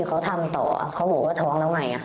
เขาทำต่อเขาบอกว่าท้องแล้วไง